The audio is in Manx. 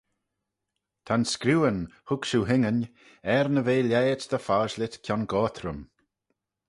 Ta'n screeuyn, hug shiu hooinyn, er ny ve lhaiht dy foshlit kiongoyrt rhym.